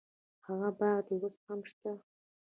هغه باغ دې اوس هم شته.